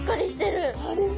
そうですね。